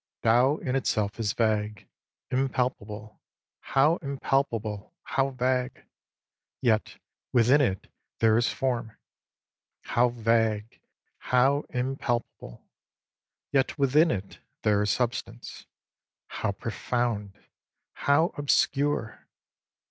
Tao in itself is vague, impalpable, — how im palpable, how vague ! Yet within it there is Form. How vague, how impalpable ! Yet within it there is Substance. How profound, how obscure